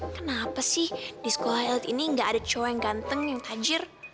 kenapa sih di sekolah health ini gak ada cowok yang ganteng yang tajir